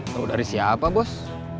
tahu dari siapa bos